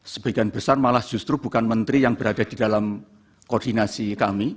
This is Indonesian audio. sebagian besar malah justru bukan menteri yang berada di dalam koordinasi kami